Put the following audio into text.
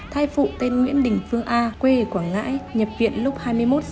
thai phụ tên nguyễn đình phương a quê quảng ngãi nhập viện lúc hai mươi một h một mươi năm